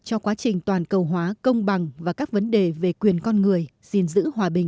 cho quá trình toàn cầu hóa công bằng và các vấn đề về quyền con người gìn giữ hòa bình